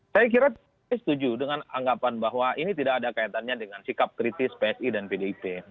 saya kira saya setuju dengan anggapan bahwa ini tidak ada kaitannya dengan sikap kritis psi dan pdip